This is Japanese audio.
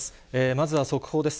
まずは速報です。